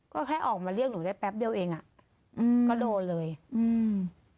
ก็แค่ออกมาเรียกหนูได้แป๊บเดียวเองอ่ะอืมก็โดนเลยอืม